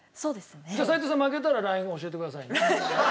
じゃあ齋藤さん負けたらＬＩＮＥ教えてくださいね。